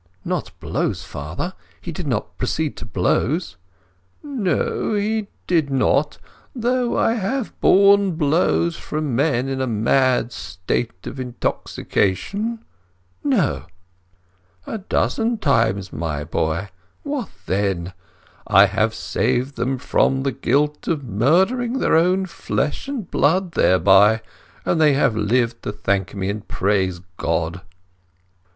"Not blows, father? He did not proceed to blows?" "No, he did not. Though I have borne blows from men in a mad state of intoxication." "No!" "A dozen times, my boy. What then? I have saved them from the guilt of murdering their own flesh and blood thereby; and they have lived to thank me, and praise God."